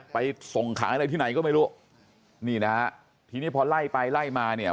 ไปส่งขายอะไรที่ไหนก็ไม่รู้นี่นะฮะทีนี้พอไล่ไปไล่มาเนี่ย